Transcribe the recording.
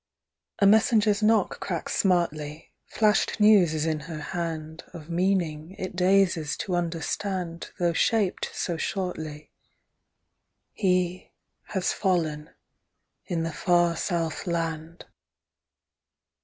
A messenger's knock cracks smartly, Flashed news is in her hand Of meaning it dazes to understand Though shaped so shortly: He—has fallen—in the far South Land .